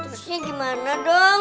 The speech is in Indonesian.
terusnya gimana dong